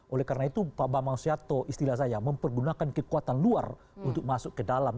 oleh karena itu pak bambang suyato istilah saya mempergunakan kekuatan luar untuk masuk ke dalam